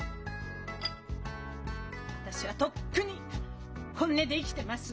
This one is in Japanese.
私はとっくに本音で生きてます！